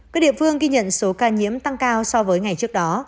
các địa phương ghi nhận số ca nhiễm tăng cao so với ngày trước đó